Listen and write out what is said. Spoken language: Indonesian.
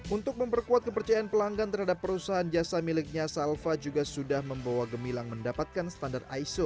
untuk memperkuat kepercayaan pelanggan terhadap perusahaan jasa miliknya salva juga sudah membawa gemilang mendapatkan standar iso